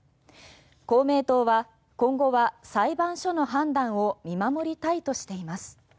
公明党は、今後は裁判所の判断を見守りたいとしています。